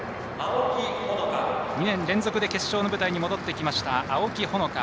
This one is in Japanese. ２年連続で決勝の舞台に戻ってきました青木穂花。